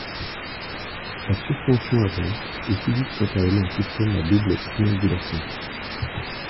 La suspension avant utilise quant à elle un système à double triangulation.